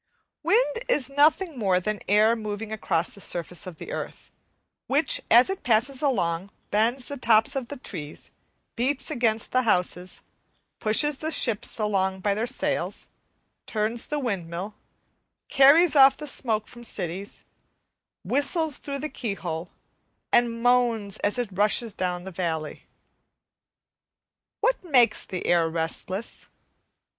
Wind is nothing more than air moving across the surface of the earth, which as it passes along bends the tops of the trees, beats against the houses, pushes the ships along by their sails, turns the windmill, carries off the smoke from cities, whistles through the keyhole, and moans as it rushes down the valley. What makes the air restless?